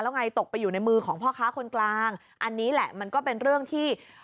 ไงตกไปอยู่ในมือของพ่อค้าคนกลางอันนี้แหละมันก็เป็นเรื่องที่